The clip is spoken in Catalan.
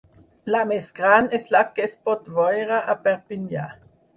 La més gran és la que es pot veure a Perpinyà.